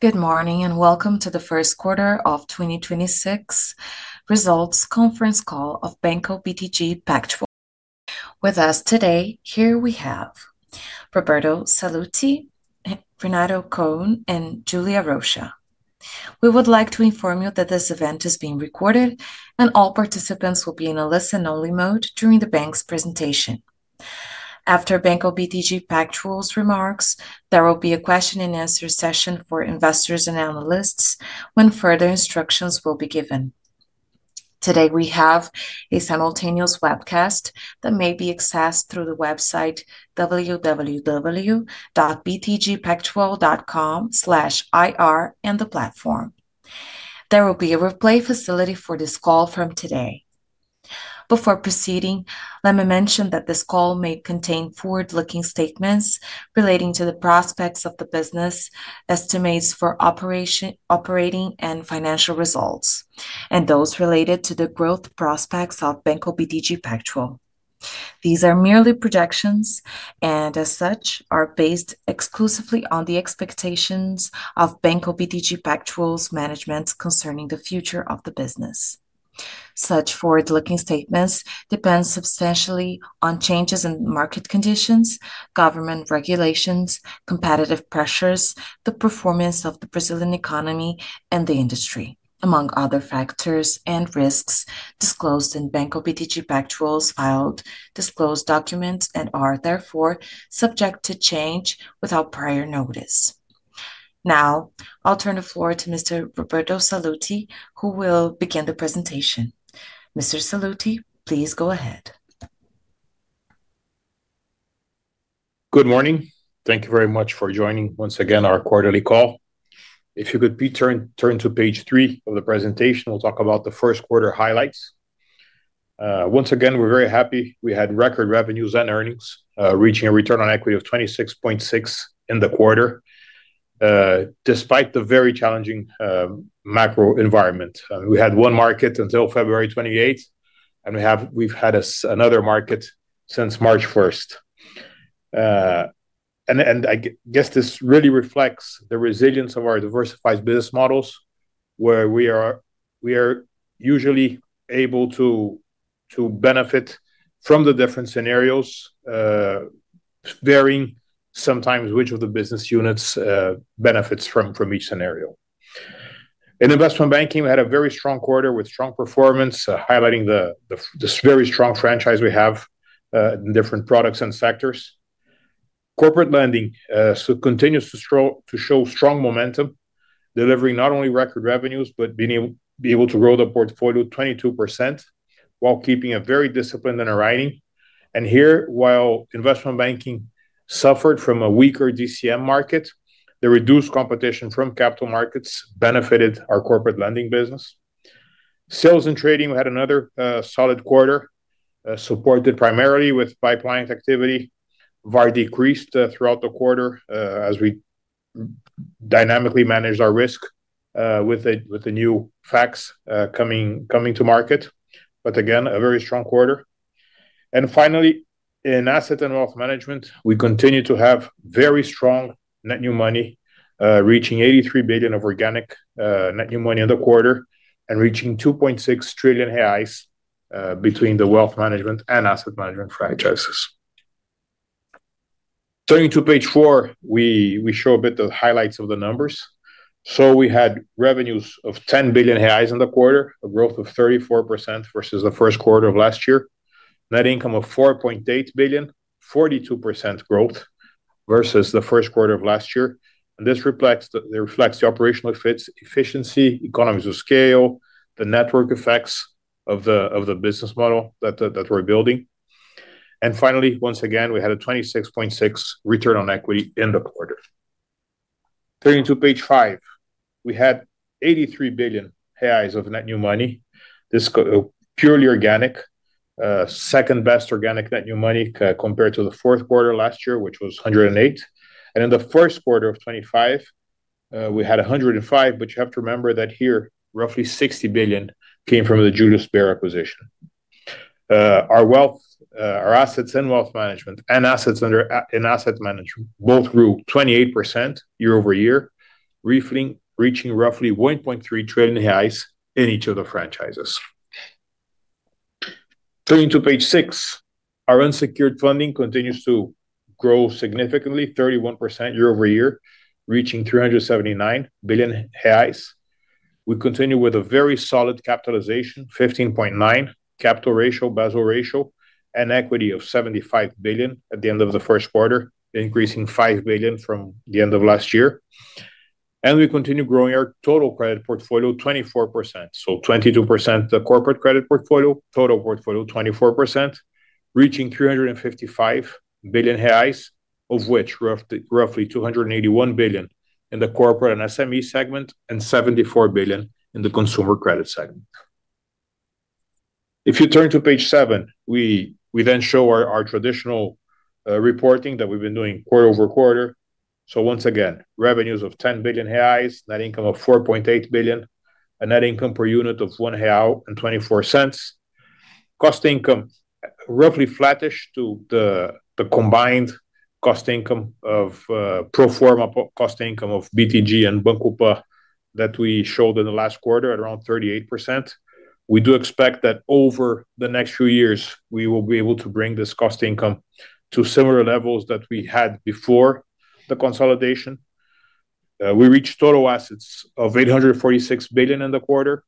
Good morning, welcome to the first quarter of 2026 results conference call of Banco BTG Pactual. With us today, we have Roberto Sallouti, Renato Cohn, and Julia Rocha. We would like to inform you that this event is being recorded, and all participants will be in a listen-only mode during the bank's presentation. After Banco BTG Pactual's remarks, there will be a question-and-answer session for investors and analysts when further instructions will be given. Today, we have a simultaneous webcast that may be accessed through the website www.btgpactual.com/ir on the platform. There will be a replay facility for this call from today. Before proceeding, let me mention that this call may contain forward-looking statements relating to the prospects of the business, estimates for operating and financial results, and those related to the growth prospects of Banco BTG Pactual. These are merely projections, and as such, are based exclusively on the expectations of Banco BTG Pactual's management concerning the future of the business. Such forward-looking statements depend substantially on changes in market conditions, government regulations, competitive pressures, the performance of the Brazilian economy and the industry, among other factors and risks disclosed in Banco BTG Pactual's filed disclosed documents and are, therefore, subject to change without prior notice. I'll turn the floor over to Mr. Roberto Sallouti, who will begin the presentation. Mr. Sallouti, please go ahead. Good morning. Thank you very much for joining our quarterly call once again. If you could please turn to page three of the presentation, I'll talk about the first quarter highlights. Once again, we're very happy we had record revenues and earnings, reaching a return on equity of 26.6% in the quarter, despite the very challenging macro environment. I mean, we had one market until February 28, and we've had another market since March 1st. And I guess this really reflects the resilience of our diversified business models, where we are usually able to benefit from the different scenarios, varying sometimes which of the business units benefits from each scenario. In investment banking, we had a very strong quarter with strong performance, highlighting the very strong franchise we have in different products and sectors. Corporate lending continues to show strong momentum, delivering not only record revenues, but also being able to grow the portfolio 22% while keeping a very disciplined underwriting. Here, while investment banking suffered from a weaker DCM market, the reduced competition from capital markets benefited our corporate lending business. Sales and trading, we had another solid quarter, supported primarily with pipeline activity. VAR decreased throughout the quarter as we dynamically managed our risk with the new facts coming to market. Again, a very strong quarter. Finally, in Asset and Wealth Management, we continue to have very strong net new money, reaching 83 billion of organic net new money in the quarter and reaching 2.6 trillion reais between the Wealth Management and Asset Management franchises. Turning to page four, we show a bit of the highlights of the numbers. We had revenues of 10 billion reais in the quarter, a growth of 34% versus the first quarter of last year. Net income of 4.8 billion, 42% growth versus the first quarter of last year. This reflects the operational efficiency, economies of scale, and the network effects of the business model that we're building. Finally, once again, we had a 26.6% return on equity in the quarter. Turning to page five, we had 83 billion reais of net new money. This is purely organic. second-best organic net new money compared to the fourth quarter last year, which was 108 billion. In the first quarter of 2025, we had 105 billion, but you have to remember that here, roughly 60 billion came from the Julius Baer acquisition. Our assets and wealth management and assets under management both grew 28% year-over-year, reaching roughly 1.3 trillion reais in each of the franchises. Turning to page six, our unsecured funding continues to grow significantly, 31% year-over-year, reaching 379 billion reais. We continue with a very solid capitalization, 15.9% capital ratio, Basel ratio, and equity of 75 billion at the end of the first quarter, increasing 5 billion from the end of last year. We continue growing our total credit portfolio 24%. 22% the corporate credit portfolio, total portfolio 24%, reaching 355 billion reais, of which roughly 281 billion is in the corporate and SME segment and 74 billion is in the consumer credit segment. If you turn to page seven, we then show our traditional reporting that we've been doing quarter-over-quarter. Once again, revenues of 10 billion reais, net income of 4.8 billion. A net income per unit of 1.24 real. Cost income, roughly flattish to the combined cost income of pro forma cost income of BTG and Banco Pan that we showed in the last quarter at around 38%. We do expect that over the next few years, we will be able to bring this cost-income to similar levels that we had before the consolidation. We reached total assets of 846 billion in the quarter,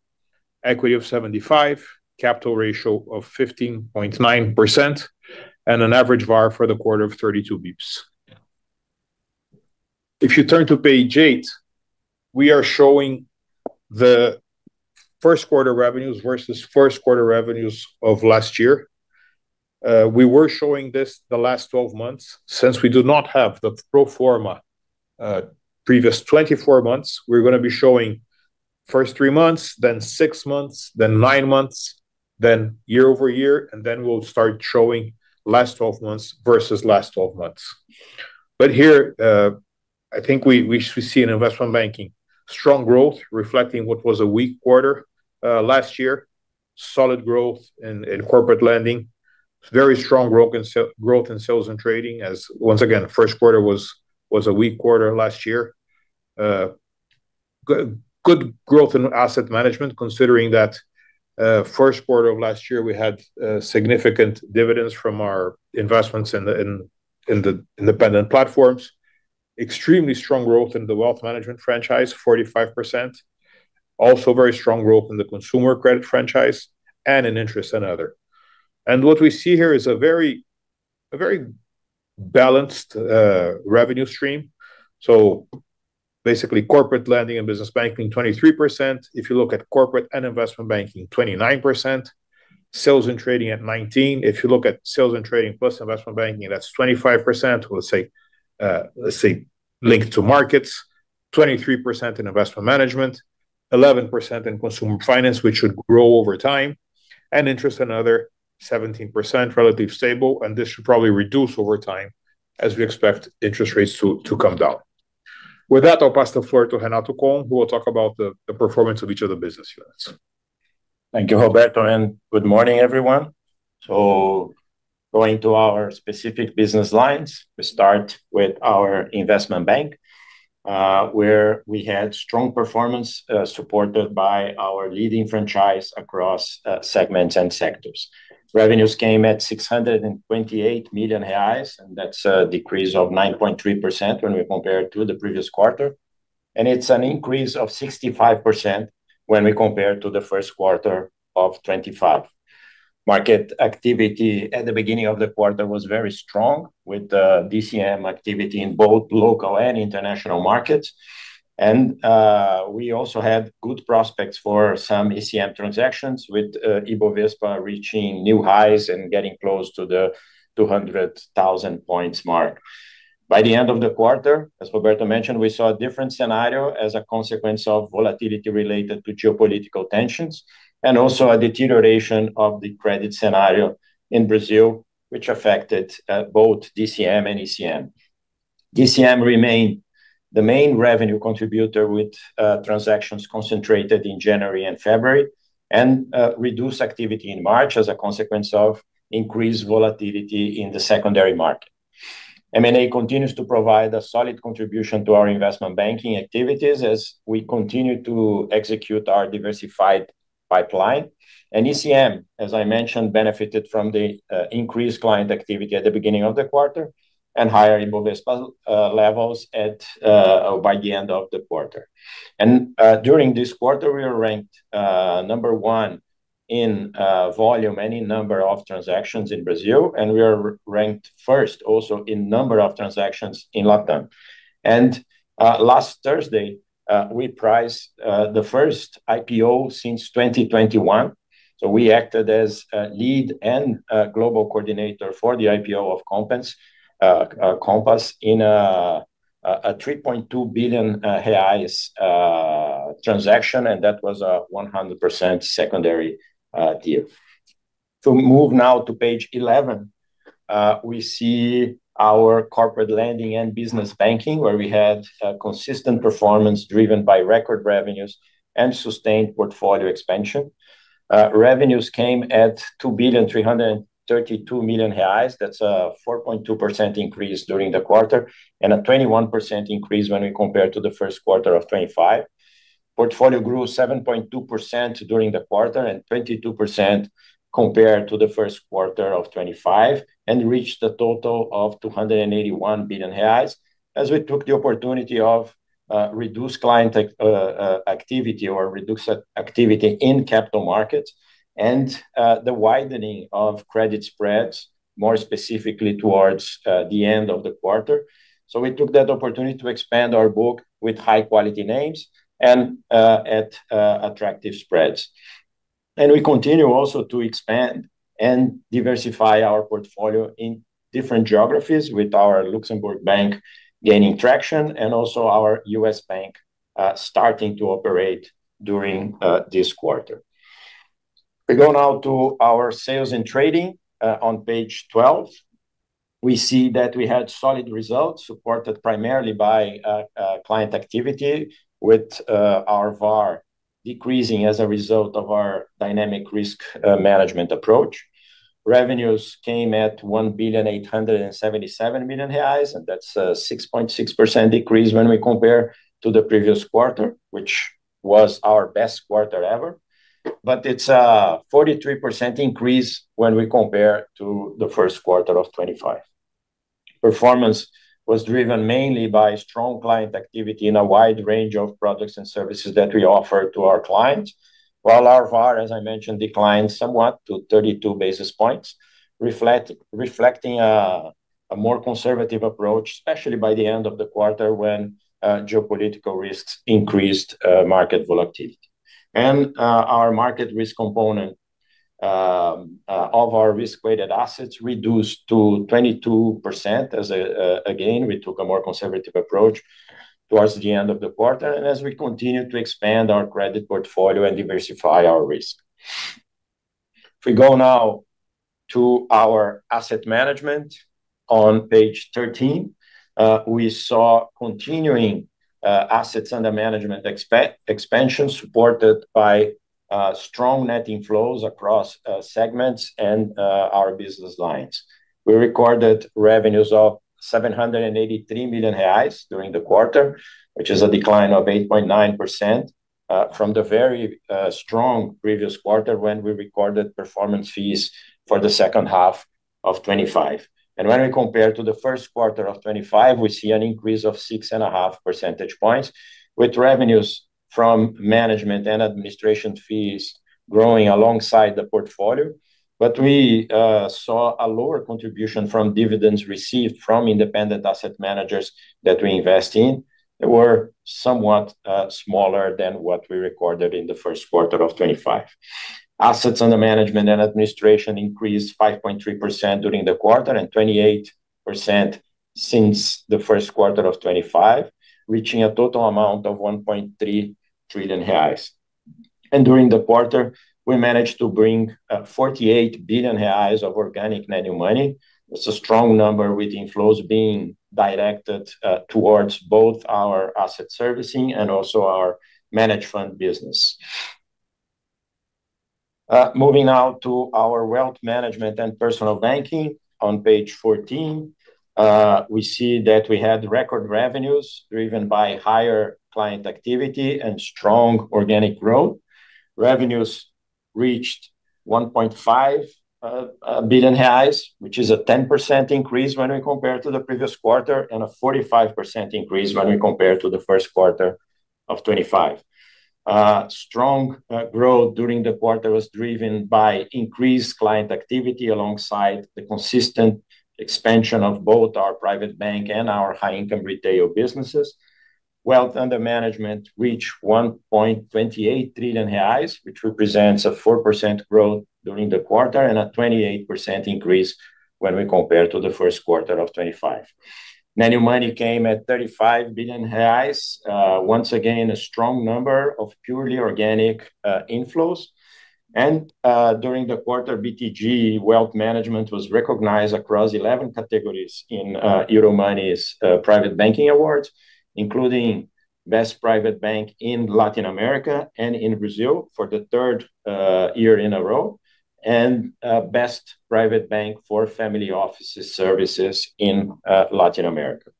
equity of 75, a capital ratio of 15.9%, and an average VAR for the quarter of 32 basis points. If you turn to page eight, we are showing the first quarter revenues versus the first quarter revenues of last year. We have been showing this for the last 12 months. Since we do not have the pro forma for the previous 24 months, we're gonna be showing the first three months, then six months, then nine months, then year-over-year, and then we'll start showing the last 12 months versus the last 12 months. Here, I think we see in investment banking, strong growth reflecting what a weak quarter last year was. Solid growth in corporate lending. Very strong growth in sales and trading, as once again, the first quarter was a weak quarter last year. Good growth in asset management, considering that in the first quarter of last year, we had significant dividends from our investments in the independent platforms. Extremely strong growth in the wealth management franchise, 45%. Also, very strong growth in the consumer credit franchise and in interest and other. What we see here is a very balanced revenue stream. Corporate lending and business banking, 23%. If you look at corporate and investment banking, 29%. Sales and trading at 19. If you look at sales and trading plus investment banking, that's 25%, we'll say, we'll say linked to markets. 23% in investment management. 11% in consumer finance, which should grow over time. Interest and other, 17%, relatively stable, and this should probably reduce over time as we expect interest rates to come down. With that, I'll pass the floor to Renato Cohn, who will talk about the performance of each of the business units. Thank you, Roberto, and good morning, everyone. Going to our specific business lines, we start with our investment bank, where we had a strong performance, supported by our leading franchise across segments and sectors. Revenues came at 628 million reais, and that's a decrease of 9.3% when we compare to the previous quarter, and it's an increase of 65% when we compare to the first quarter of 2025. Market activity at the beginning of the quarter was very strong, with DCM activity in both local and international markets. We also had good prospects for some ECM transactions with Bovespa reaching new highs and getting close to the 200,000 points mark. By the end of the quarter, as Roberto mentioned, we saw a different scenario as a consequence of volatility related to geopolitical tensions, and also a deterioration of the credit scenario in Brazil, which affected both DCM and ECM. DCM remained the main revenue contributor with transactions concentrated in January and February, and reduced activity in March as a consequence of increased volatility in the secondary market. M&A continues to provide a solid contribution to our investment banking activities as we continue to execute our diversified pipeline. ECM, as I mentioned, benefited from the increased client activity at the beginning of the quarter and higher Bovespa levels by the end of the quarter. During this quarter, we are ranked number one in volume, the number of transactions in Brazil, and we are also ranked first in the number of transactions in LatAm. Last Thursday, we priced the first IPO since 2021. We acted as lead and global coordinator for the IPO of Compass in a 3.2 billion reais transaction, and that was a 100% secondary deal. If we move now to page 11, we see our corporate lending and business banking, where we had consistent performance driven by record revenues and sustained portfolio expansion. Revenues came to 2,332 million reais. That's a 4.2% increase during the quarter, and a 21% increase when we compare to the first quarter of 2025. Portfolio grew 7.2% during the quarter and 22% compared to the first quarter of 2025, and reached a total of 281 billion reais, as we took the opportunity of reduced client activity or reduced activity in capital markets and the widening of credit spreads, more specifically towards the end of the quarter. We took that opportunity to expand our book with high-quality names and at attractive spreads. We continue to expand and diversify our portfolio in different geographies, with our Luxembourg bank gaining traction, and also our U.S. bank starting to operate during this quarter. We go now to our sales and trading on page 12. We see that we had solid results supported primarily by client activity, with our VAR decreasing as a result of our dynamic risk management approach. Revenues came at 1 billion, 877 million, and that's a 6.6% decrease when we compare to the previous quarter, which was our best quarter ever, but it's a 43% increase when we compare to the first quarter of 2025. Performance was driven mainly by strong client activity in a wide range of products and services that we offer to our clients. While our VAR, as I mentioned, declined somewhat to 32 basis points, reflecting a more conservative approach, especially by the end of the quarter, when geopolitical risks increased market volatility. The market risk component of our risk-weighted assets reduced to 22% as again, as we took a more conservative approach towards the end of the quarter, and as we continue to expand our credit portfolio and diversify our risk. If we go now to our asset management on page 13, we saw continuing assets under management expansion supported by strong net inflows across segments and our business lines. We recorded revenues of 783 million reais during the quarter, which is a decline of 8.9% from the very strong previous quarter when we recorded performance fees for the second half of 2025. When we compare to the first quarter of 2025, we see an increase of 6.5 percentage points, with revenues from management and administration fees growing alongside the portfolio. We saw a lower contribution from dividends received from independent asset managers that we invest in. They were somewhat smaller than what we recorded in the first quarter of 2025. Assets under management and administration increased 5.3% during the quarter and 28% since the first quarter of 2025, reaching a total amount of 1.3 trillion reais. During the quarter, we managed to bring 48 billion reais of organic net new money. It's a strong number with inflows being directed towards both our asset servicing and our managed fund business. Moving now to our Wealth Management and personal banking on page 14, we see that we had record revenues driven by higher client activity and strong organic growth. Revenues reached 1.5 billion reais, which is a 10% increase when compared to the previous quarter and a 45% increase when compared to the first quarter of 2025. Strong growth during the quarter was driven by increased client activity alongside the consistent expansion of both our private bank and our high-income retail businesses. Wealth under management reached 1.28 trillion reais, which represents a 4% growth during the quarter and a 28% increase when compared to the first quarter of 2025. Net new money came at 35 billion reais. Once again, a strong number of purely organic inflows. During the quarter, BTG Wealth Management was recognized across 11 categories in Euromoney's Private Banking Awards, including Best Private Bank in Latin America and in Brazil for the third year in a row, and Best Private Bank for Family Offices Services in Latin America.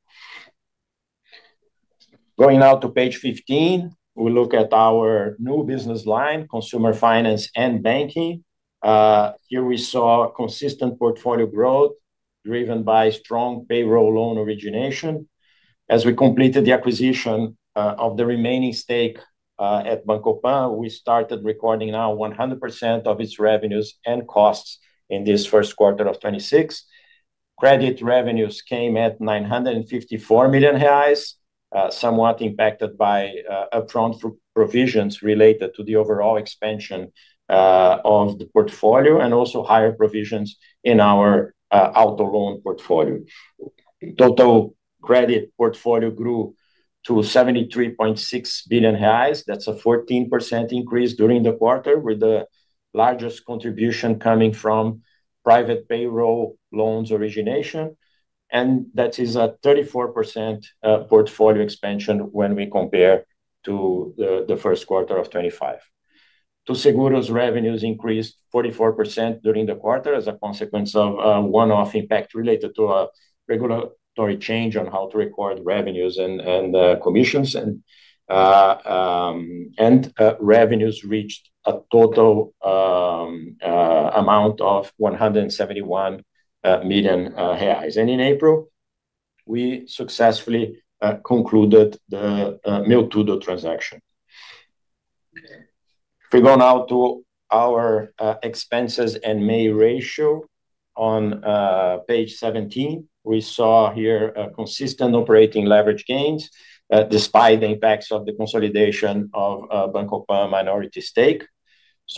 Going now to page 15, we look at our new business line, Consumer Finance and Banking. Here, we saw consistent portfolio growth driven by strong payroll loan origination. As we completed the acquisition of the remaining stake at Banco Pan, we started recording now 100% of its revenues and costs in this first quarter of 2026. Credit revenues came at 954 million reais, somewhat impacted by upfront provisions related to the overall expansion of the portfolio and also higher provisions in our auto loan portfolio. Total credit portfolio grew to 73.6 billion reais. That's a 14% increase during the quarter, with the largest contribution coming from private payroll loans origination, which is a 34% portfolio expansion when we compare to the first quarter of 2025. Too Seguros' revenues increased 44% during the quarter as a consequence of one-off impact related to a regulatory change on how to record revenues and commissions, reaching a total amount of 171 million reais. In April, we successfully concluded the meutudo transaction. If we go now to our expenses and main ratios on page 17, we saw here a consistent operating leverage gain despite the impacts of the consolidation of Banco Pan's minority stake.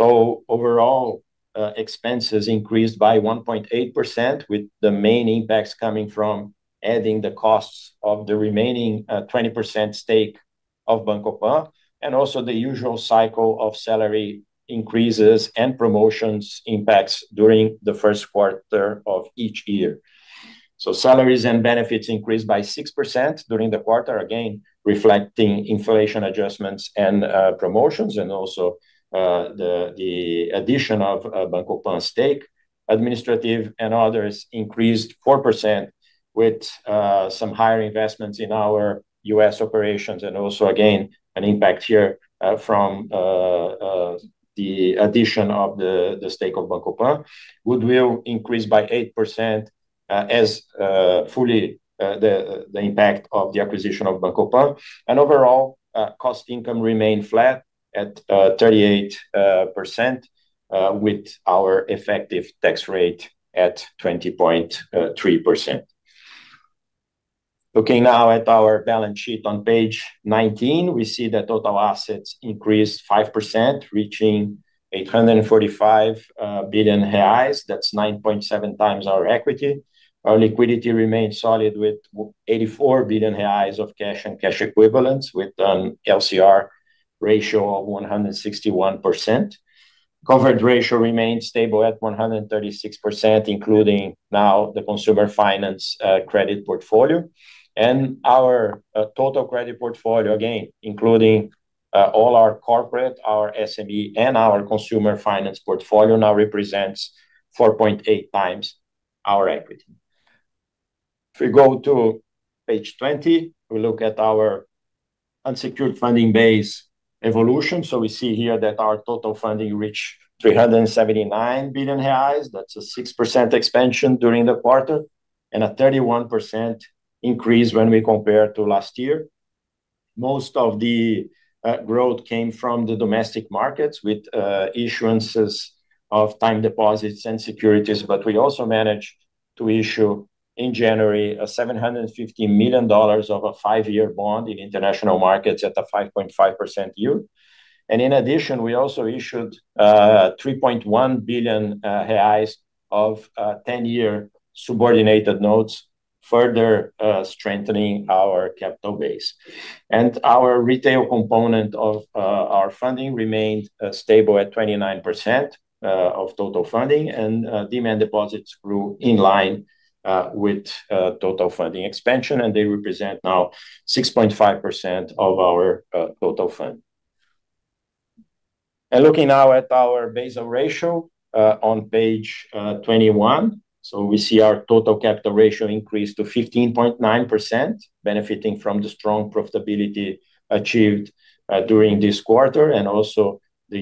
Overall, expenses increased by 1.8% with the main impacts coming from adding the costs of the remaining 20% stake of Banco Pan, and also the usual cycle of salary increases and promotions impacts during the first quarter of each year. Salaries and benefits increased by 6% during the quarter, again, reflecting inflation adjustments and promotions, and the addition of Banco Pan's stake. Administrative and others increased 4% with some higher investments in our U.S. operations, and also again, an impact here from the addition of the stake of Banco Pan will increase by 8%, as a result of the acquisition of Banco Pan. Overall, cost income remained flat at 38% with our effective tax rate at 20.3%. Looking now at our balance sheet on page 19, we see that total assets increased 5%, reaching 845 billion reais. That's 9.7x our equity. Our liquidity remains solid with 84 billion reais of cash and cash equivalents with an LCR ratio of 161%. Coverage ratio remains stable at 136%, including now the consumer finance credit portfolio. Our total credit portfolio, again, including all our corporate, SME, and consumer finance portfolios, now represents 4.8x our equity. If we go to page 20, we look at our unsecured funding base evolution. We see here that our total funding reached 379 billion reais, that's a 6% expansion during the quarter, and a 31% increase when we compare to last year. Most of the growth came from the domestic markets with issuances of time deposits and securities, but we also managed to issue in January a $750 million five-year bond in international markets at a 5.5% yield. In addition, we also issued 3.1 billion reais of 10-year subordinated notes, further strengthening our capital base. The retail component of our funding remained stable at 29% of total funding. Demand deposits grew in line with total funding expansion, and they represent now 6.5% of our total funding. Looking now at our Basel ratio on page 21, we see our total capital ratio increase to 15.9%, benefiting from the strong profitability achieved during this quarter, and also the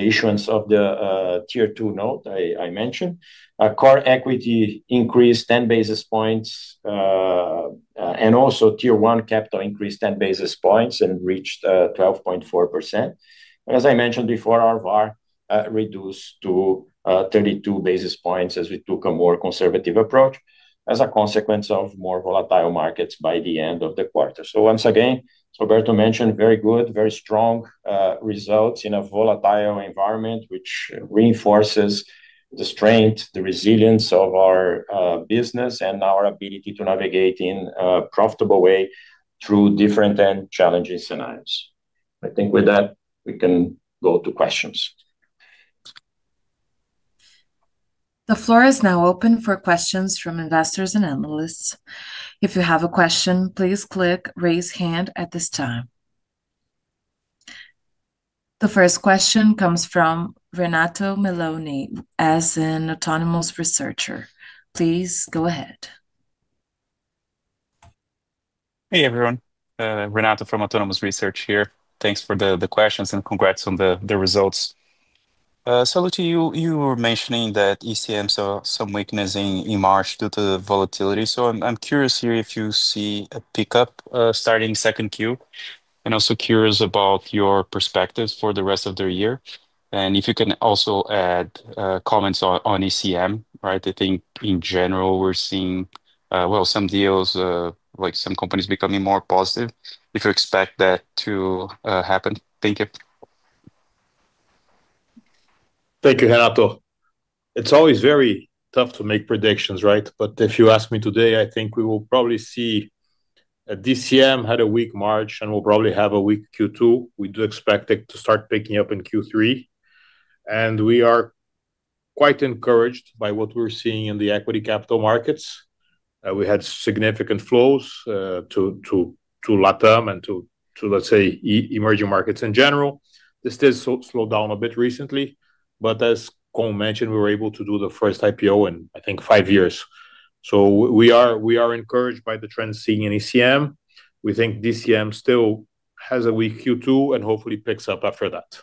issuance of the Tier 2 note I mentioned. Our core equity increased 10 basis points, and Tier 1 capital also increased 10 basis points and reached 12.4%. As I mentioned before, our VaR reduced to 32 basis points as we took a more conservative approach as a consequence of more volatile markets by the end of the quarter. Once again, Roberto mentioned very good, very strong results in a volatile environment, which reinforces the strength, the resilience of our business, and our ability to navigate in a profitable way through different and challenging scenarios. I think with that, we can go to the questions. The floor is now open for questions from investors and analysts. If you have a question, please click Raise Hand at this time. The first question comes from Renato Meloni, as an Autonomous Research. Please go ahead. Hey, everyone, Renato from Autonomous Research here. Thanks for the questions, and congrats on the results. To you were mentioning that ECM saw some weakness in March due to the volatility. I'm curious here if you see a pickup starting second Q, and also curious about your perspectives for the rest of the year, and if you can also add comments on ECM, right? I think in general we're seeing, well, some deals, like some companies becoming more positive, if you expect that to happen. Thank you. Thank you, Renato. It's always very tough to make predictions, right? If you ask me today, I think we will probably see DCM have a weak March and will probably have a weak Q2. We do expect it to start picking up in Q3. We are quite encouraged by what we're seeing in the equity capital markets. We had significant flows to LatAm and to, let's say, emerging markets in general. This did slow down a bit recently, but as Cohn mentioned, we were able to do the first IPO in, I think, five years. We are encouraged by the trends seen in ECM. We think DCM still has a weak Q2 and hopefully picks up after that.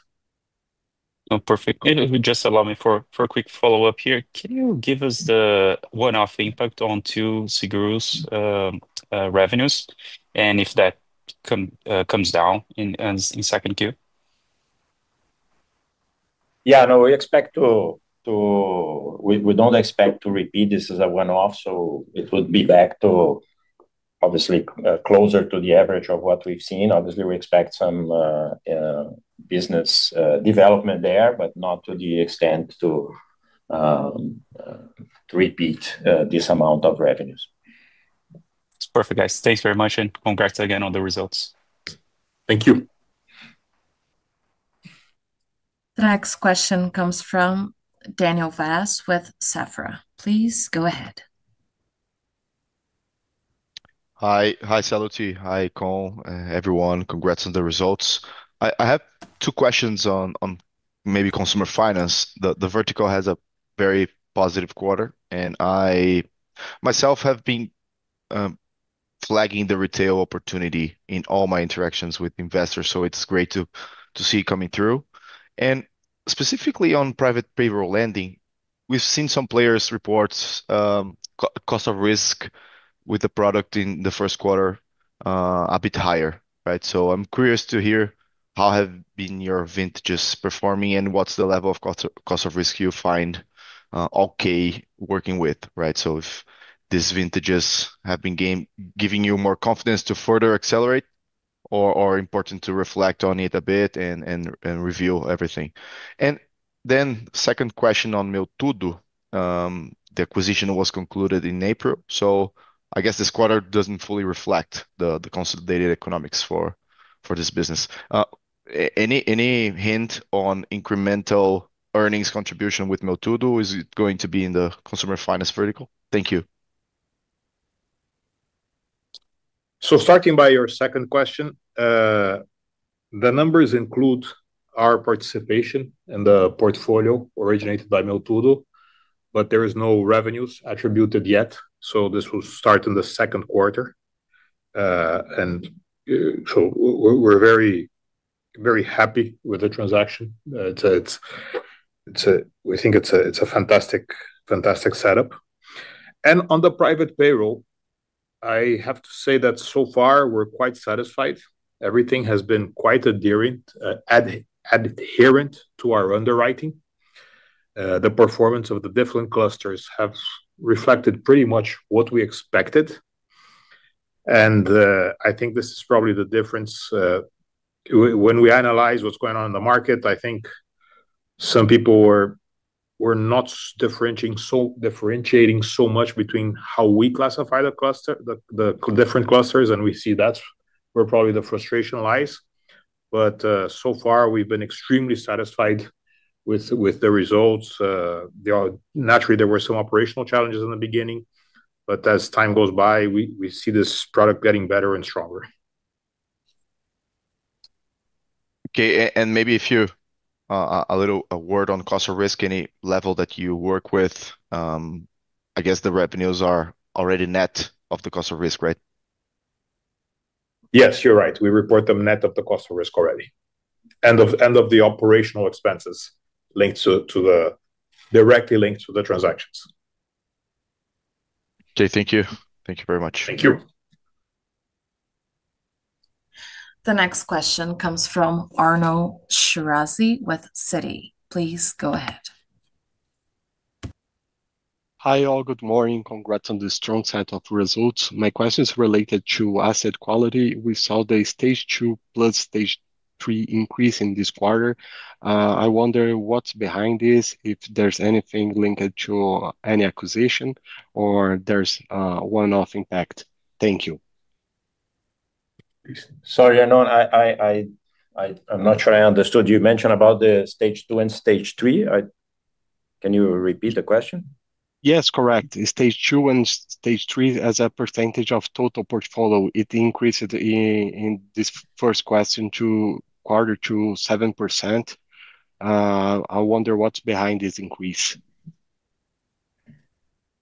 Oh, perfect. If you just allow me for a quick follow-up here. Can you give us the one-off impact on Too Seguros, revenues, and if that comes down in the second Q? Yeah, no, we don't expect to repeat this as a one-off. It would be back, obviously, closer to the average of what we've seen. Obviously, we expect some business development there, but not to the extent of repeating this amount of revenue. It's perfect, guys. Thanks very much, and congrats again on the results. Thank you. The next question comes from Daniel Vaz with Safra. Please, go ahead. Hi. Hi, Sallouti. Hi, Cohn, everyone. Congrats on the results. I have two questions about consumer finance. The vertical has a very positive quarter, and I myself have been flagging the retail opportunity in all my interactions with investors, so it's great to see it coming through. Specifically on private payroll lending, we've seen some players report the cost of risk with the product in the first quarter a bit higher, right? I'm curious to hear how your vintages have been performing, and what the level of cost of risk you find okay working with, right? If these vintages have been giving you more confidence to further accelerate or important to reflect on it a bit and review everything. Second question on meutudo. The acquisition was concluded in April, so I guess this quarter doesn't fully reflect the consolidated economics for this business. Any hint on incremental earnings contribution with meutudo? Is it going to be in the consumer finance vertical? Thank you. Starting with your second question, the numbers include our participation in the portfolio originated by meutudo, there are no revenues attributed yet, and this will start in the second quarter. We're very happy with the transaction. We think it's a fantastic setup. On the private payroll, I have to say that so far we're quite satisfied. Everything has been quite adherent to our underwriting. The performance of the different clusters has reflected pretty much what we expected. I think this is probably the difference. When we analyze what's going on in the market, I think some people were not differentiating so much between how we classify the different clusters; we see that's where probably the frustration lies. So far, we've been extremely satisfied with the results. Naturally, there were some operational challenges in the beginning, but as time goes by, we see this product getting better and stronger. Okay. Maybe if you, a little, a word on the cost of risk, at any level that you work with. I guess the revenues are already net of the cost of risk, right? Yes, you're right. We report them net of the cost of risk already, and of the operational expenses directly linked to the transactions. Okay. Thank you. Thank you very much. Thank you. The next question comes from Arnon Shirazi with Citi. Please, go ahead. Hi, all. Good morning. Congrats on the strong set of results. My question is related to asset quality. We saw the stage two plus stage three increase in this quarter. I wonder what's behind this, if there's anything linked to any acquisition, or if it's a one-off impact. Thank you. Sorry, Arno, I'm not sure I understood. You mentioned the stage 2 and stage 3. Can you repeat the question? Yes, correct. Stage 2 and Stage 3 as a percentage of the total portfolio. It increased in this first quarter to 7%. I wonder what's behind this increase?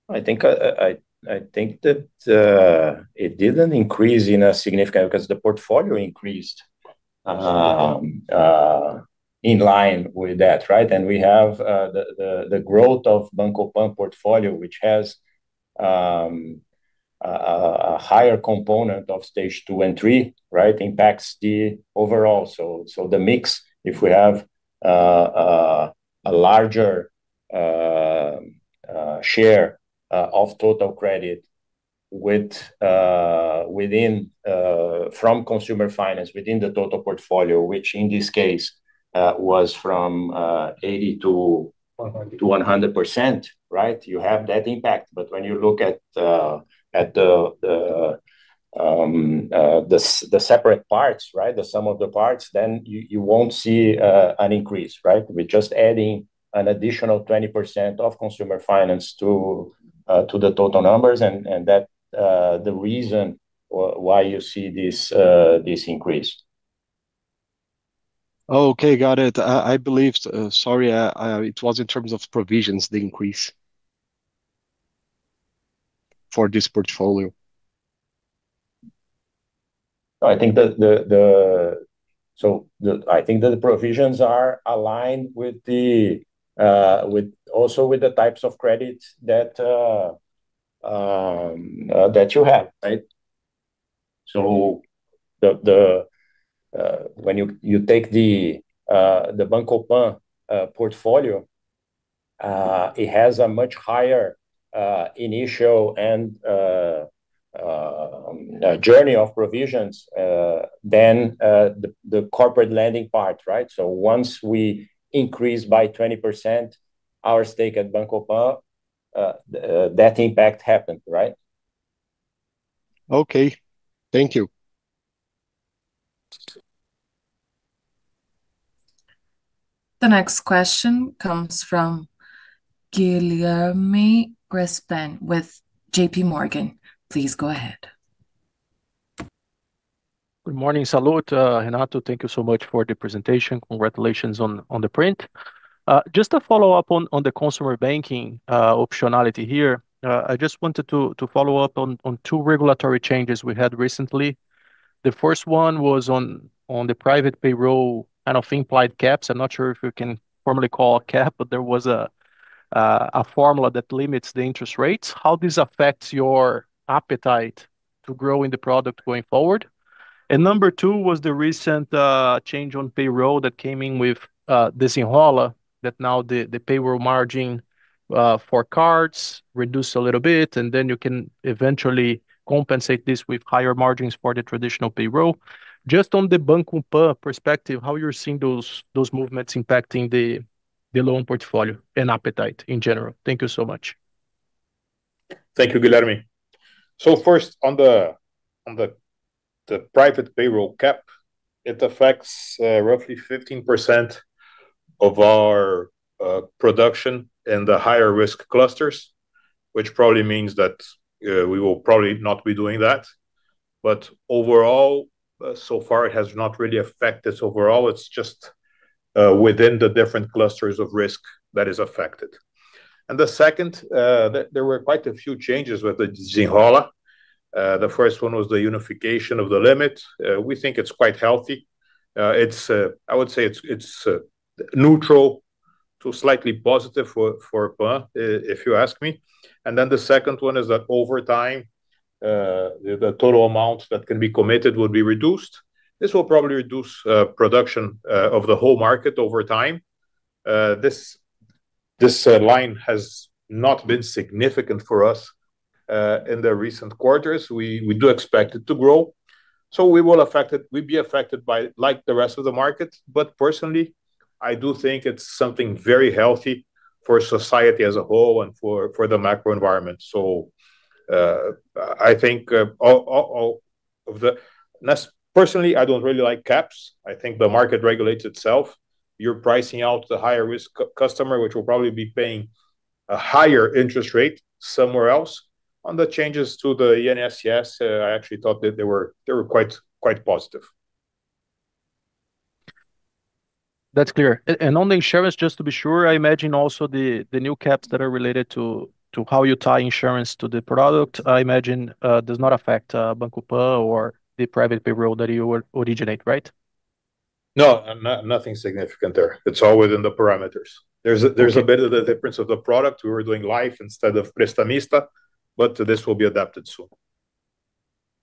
I think that it didn't increase significantly because the portfolio increased. In line with that, right. We have the growth of the Banco Pan portfolio, which has a higher component of stage 2 and 3, right impacts the overall. The mix, if we have a larger share of total credit from consumer finance within the total portfolio, which in this case, was from 80. 100 to 100%, right? You have that impact. When you look at the separate parts, right, the sum of the parts, then you won't see an increase, right? We're just adding an additional 20% of consumer finance to the total numbers, and that's the reason why you see this increase. Okay. Got it. I believed, sorry, it was in terms of provisions, the increase for this portfolio. I think the provisions are aligned with the with also with the types of credits that you have, right? When you take the Banco Pan portfolio, it has a much higher initial. The journey of provisions, then, the corporate lending part, right? Once we increase by 20% our stake at Banco Pan, that impact happened, right? Okay. Thank you. The next question comes from Guilherme Grespan with J.P. Morgan. Please go ahead. Good morning. Sallouti, Renato. Thank you so much for the presentation. Congratulations on the print. Just to follow up on the consumer banking optionality here. I just wanted to follow up on two regulatory changes we had recently. The first one was on the private payroll, which kind of implied caps. I'm not sure if you can formally call a cap, but there was a formula that limited the interest rates. How does this affect your appetite to grow the product going forward? Number two was the recent change on payroll that came in with the consignado, which now the payroll margin for cards has reduced a little bit, and then you can eventually compensate this with higher margins for the traditional payroll. Just on the Banco Pan perspective, how you're seeing those movements impacting the loan portfolio and appetite in general? Thank you so much. Thank you, Guilherme. First, on the private payroll cap, it affects roughly 15% of our production in the higher-risk clusters, which probably means that we will not be doing that. Overall, so far it has not really affected us overall; it's just within the different clusters of risk that are affected. The second, there were quite a few changes with the consignado. The first one was the unification of the limit. We think it's quite healthy. I would say it's neutral to slightly positive for Pan, if you ask me. The second one is that over time, the total amount that can be committed will be reduced. This will probably reduce production of the whole market over time. This line has not been significant for us in the recent quarters. We do expect it to grow. We'd be affected like the rest of the market. Personally, I do think it's something very healthy for society as a whole and for the macro environment. I think personally, I don't really like caps. I think the market regulates itself. You're pricing out the higher-risk customer, which will probably be paying a higher interest rate somewhere else. On the changes to the INSS, I actually thought that they were quite positive. That's clear. On the insurance, just to be sure, I imagine also the new caps that are related to how you tie insurance to the product, I imagine, do not affect Banco Pan or the private payroll that you originate, right? No. Nothing significant there. It's all within the parameters. Okay There's a bit of a difference of the product. We were doing life instead of prestamista, but this will be adapted soon.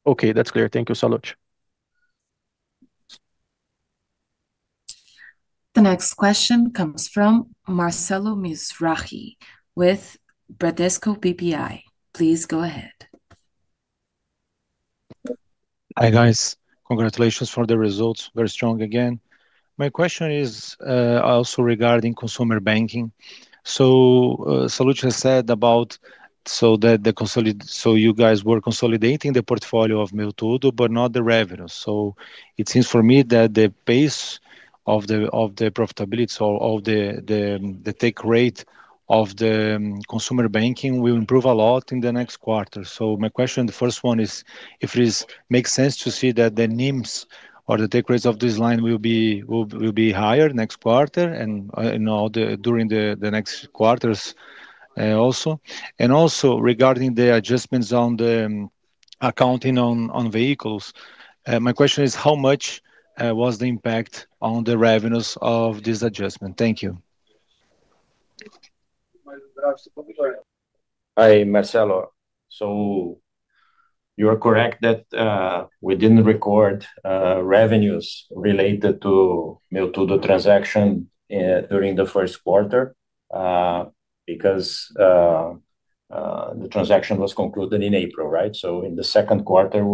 Okay, that's clear. Thank you. Sallouti. The next question comes from Marcelo Mizrahi with Bradesco BBI. Please go ahead. Hi, guys. Congratulations on the results. Very strong again. My question is also regarding consumer banking. Sallouti has said about you guys were consolidating the portfolio of meutudo, but not the revenue. It seems for me that the pace of profitability or the take rate of consumer banking will improve a lot in the next quarter. My question, the first one, is whether it makes sense to see that the NIMs or the take rates of this line will be higher next quarter and throughout the next quarters also. Also, regarding the adjustments to the accounting on vehicles, my question is how much impact was on the revenues of this adjustment? Thank you. Hi, Marcelo. You are correct that we didn't record revenues related to the meutudo transaction during the first quarter, because the transaction was concluded in April, right? In the second quarter,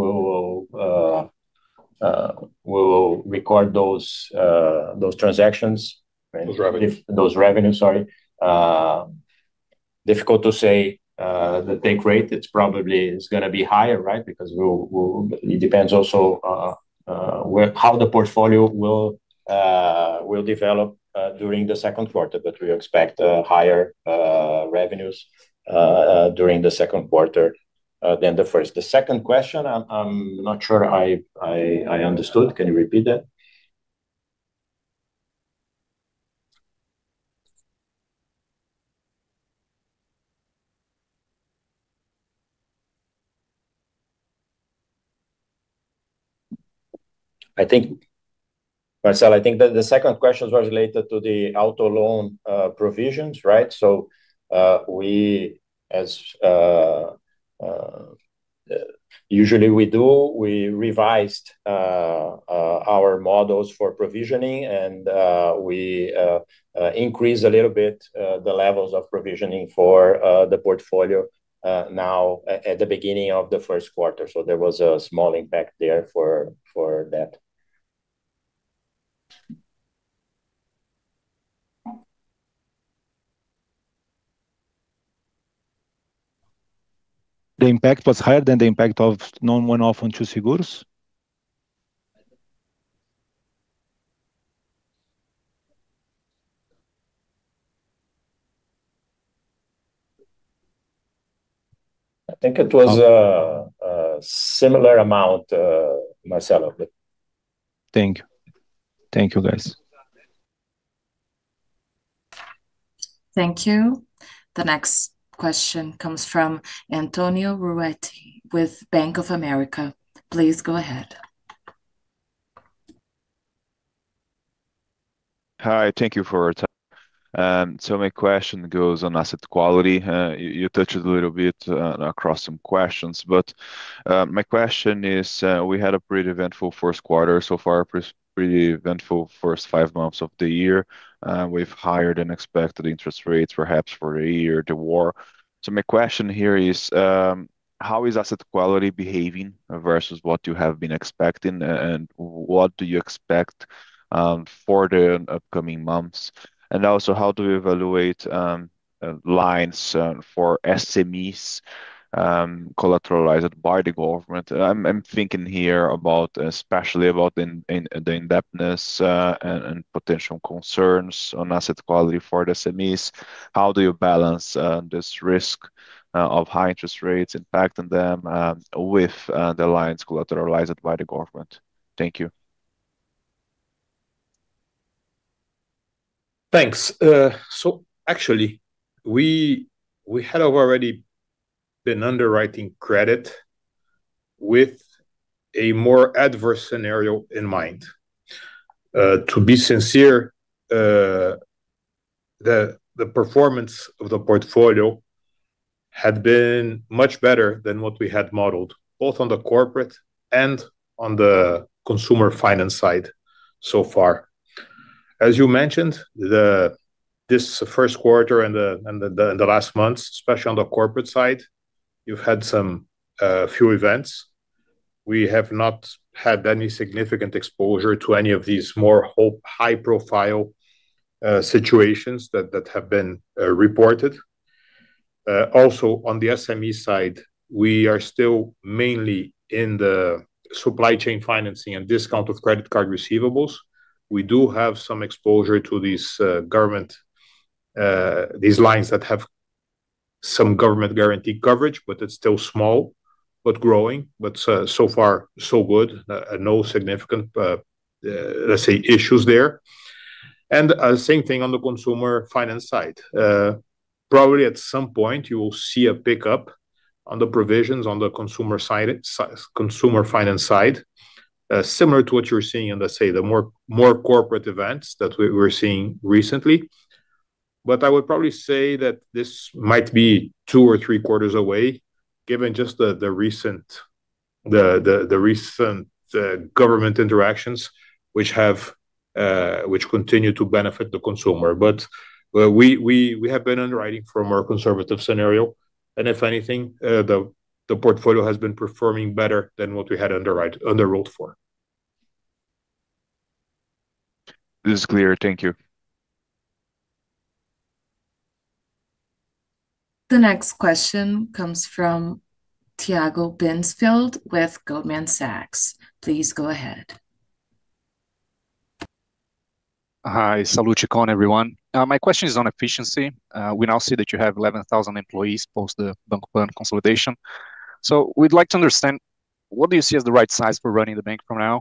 we'll record those transactions. Those revenues. if those revenues, sorry. Difficult to say, the take rate. It's probably gonna be higher, right? Because it also depends on where and how the portfolio will develop during the second quarter, but we expect higher revenues during the second quarter than the first. The second question, I'm not sure I understood. Can you repeat that? I think, Marcelo, I think the second question was related to the auto loan provisions, right? We as usually we do, we revised our models for provisioning, and we increased a little bit the levels of provisioning for the portfolio, now at the beginning of the first quarter. There was a small impact there for that. Was the impact higher than the impact of non-one-off on Too Seguros? I think it was a similar amount, Marcelo. Thank you. Thank you, guys. Thank you. The next question comes from Antonio Ruette with Bank of America. Please go ahead. Hi, thank you for your time. My question goes on asset quality. You touched on a little bit across some questions. My question is, we had a pretty eventful first quarter so far, pretty eventful first five months of the year, with higher than expected interest rates perhaps for a year, the war. My question here is, how is asset quality behaving versus what you have been expecting? What do you expect for the upcoming months? Also, how do we evaluate lines for SMEs collateralized by the government? I'm thinking here, especially about the indebtedness and potential concerns on asset quality for the SMEs. How do you balance this risk of high interest rates impacting them with the lines collateralized by the government? Thank you. Thanks. Actually, we had already been underwriting credit with a more adverse scenario in mind. To be sincere, the performance of the portfolio had been much better than what we had modeled, both on the corporate and on the consumer finance side so far. As you mentioned, this first quarter and the last months, especially on the corporate side, you've had a few events. We have not had any significant exposure to any of these more high-profile situations that have been reported. Also on the SME side, we are still mainly in the supply chain financing and discount of credit card receivables. We do have some exposure to these government lines that have some government-guaranteed coverage, but it's still small and growing. So far so good. No significant, let's say, issues there. Same thing on the consumer finance side. Probably at some point, you will see a pickup on the provisions on the consumer side, consumer finance side, similar to what you're seeing in, let's say, the more, more corporate events that we're seeing recently. I would probably say that this might be two or three quarters away, given just the recent, the, the recent government interactions, which have which continue to benefit the consumer. We have been underwriting from a conservative scenario, and if anything, the portfolio has been performing better than what we had underwritten for. This is clear. Thank you. The next question comes from Tiago Binsfeld with Goldman Sachs. Please go ahead. Hi. Sallouti, Cohn, everyone. My question is on efficiency. We now see that you have 11,000 employees post the Banco Pan consolidation. We'd like to understand what you see as the right size for running the bank from now on.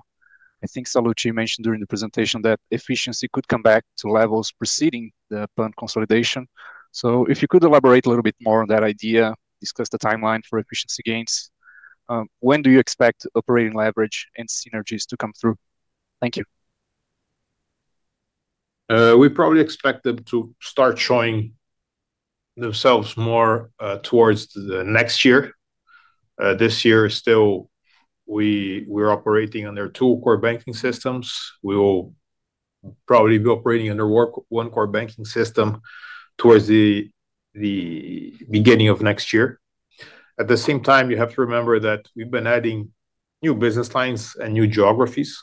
I think Sallouti mentioned during the presentation that efficiency could come back to levels preceding the Pan consolidation. If you could elaborate a little bit more on that idea, discuss the timeline for efficiency gains. When do you expect operating leverage and synergies to come through? Thank you. We probably expect them to start showing themselves more towards the next year. This year, we're still operating under two core banking systems. We will probably be operating under one core banking system towards the beginning of next year. At the same time, you have to remember that we've been adding new business lines and new geographies.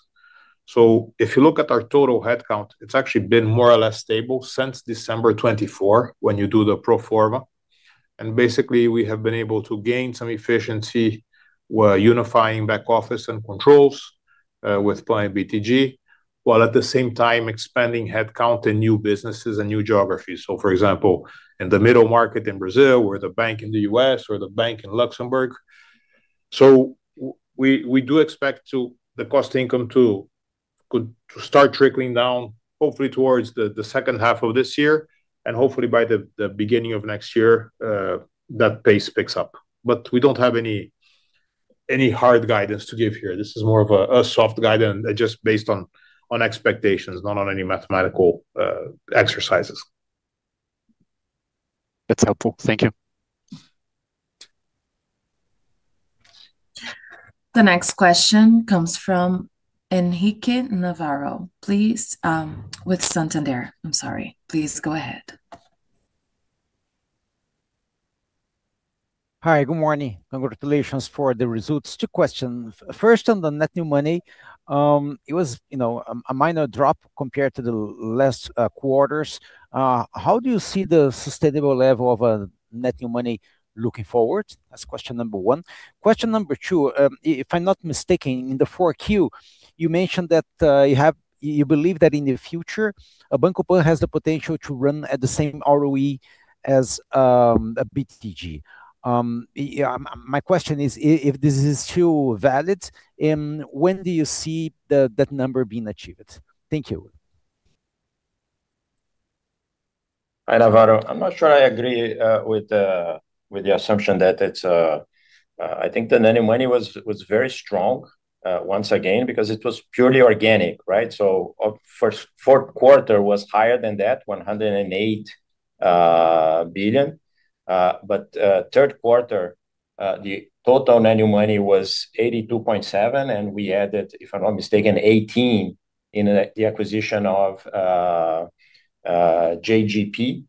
If you look at our total headcount, it's actually been more or less stable since December 2024, when you do the pro forma. Basically, we have been able to gain some efficiency, unifying back office and controls, with the buying of BTG, while at the same time expanding headcount in new businesses and new geographies. For example, in the middle market in Brazil, or the bank in the U.S., or the bank in Luxembourg. We do expect to the cost income to start trickling down hopefully towards the second half of this year, and hopefully by the beginning of next year, that pace picks up. We don't have any hard guidance to give here. This is more of a soft guidance, just based on expectations, not on any mathematical exercises. That's helpful. Thank you. The next question comes from Henrique Navarro. Please, with Santander. I am sorry. Please go ahead. Hi, good morning. Congratulations on the results. Two questions. First, on the net new money, it was, you know, a minor drop compared to the last quarter. How do you see the sustainable level of net new money looking forward? That's question number one. Question number two, if I'm not mistaken, in the 4Q, you mentioned that you believe that in the future, Banco Pan has the potential to run at the same ROE as BTG. Yeah, my question is, if this is still valid, when do you see that number being achieved? Thank you. Hi, Navarro. I think the net new money was very strong once again, because it was purely organic, right? First, the fourth quarter was higher than that, 108 billion. Third quarter, the total net new money was 82.7, and we added, if I'm not mistaken, 18 in the acquisition of JGP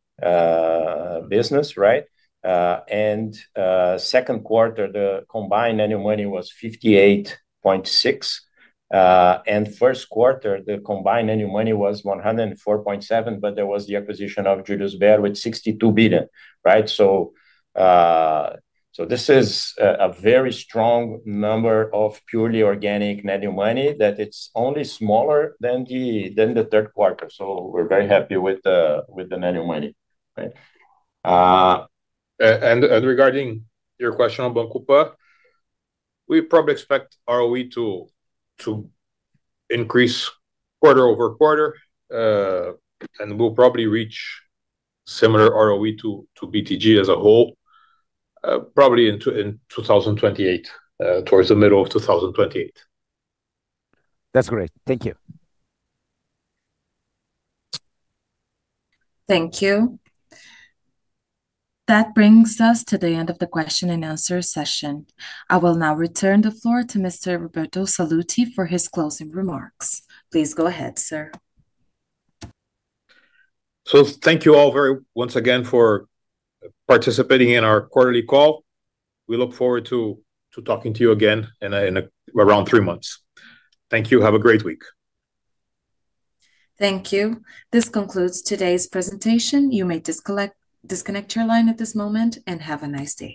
business, right? Second quarter, the combined net new money was 58.6. First quarter, the combined net new money was 104.7; there was the acquisition of Julius Baer with 62 billion, right? This is a very strong number of purely organic net new money, which is only smaller than the third quarter. We're very happy with the net new money. Right. Regarding your question on Banco Pan, we probably expect ROE to increase quarter-over-quarter. We'll probably reach a similar ROE to BTG as a whole, probably in 2028, towards the middle of 2028. That's great. Thank you. Thank you. That brings us to the end of the question-and-answer session. I will now return the floor to Mr. Roberto Sallouti for his closing remarks. Please go ahead, sir. Thank you all very much once again for participating in our quarterly call. We look forward to talking to you again in around three months. Thank you. Have a great week. Thank you. This concludes today's presentation. You may disconnect your line at this moment. Have a nice day.